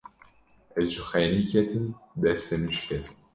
Ez ji xênî ketim, destê min şikest.